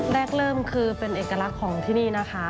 แรกเริ่มคือเป็นเอกลักษณ์ของที่นี่นะคะ